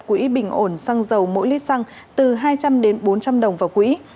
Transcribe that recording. quỹ bình ổn xăng dầu mỗi lít xăng từ hai trăm linh đến bốn trăm linh đồng vào quỹ